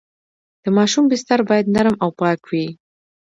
د ماشوم بستر باید نرم او پاک وي۔